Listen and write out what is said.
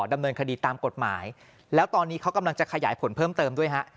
ดำเนินคดีตามกฎหมายแล้วตอนนี้เขากำลังจะขยายผลเพิ่มเติมด้วยฮะ